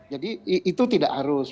jadi itu tidak harus